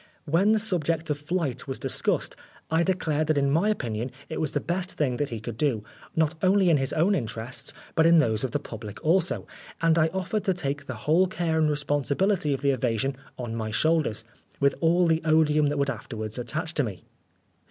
When the subject of flight was discussed, I declared that in my opinion it was the best thing that he could do, not only in his own interests, but in those of the public also ; and I offered to take the whole care and responsibility of the evasion on my shoulders, with all the odium that would afterwards attach to me.